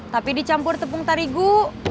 tapi dicampur tepung tarigu